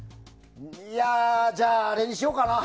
じゃあ、あれにしようかな。